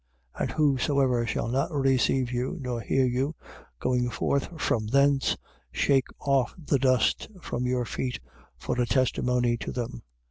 6:11. And whosoever shall not receive you, nor hear you; going forth from thence, shake off the dust from your feet for a testimony to them.